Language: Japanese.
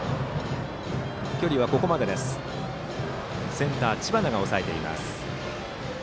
センター、知花が押さえています。